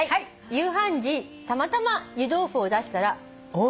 「夕飯時たまたま湯豆腐を出したら『おいしい！』と大喜び。